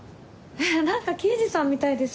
何か刑事さんみたいですね。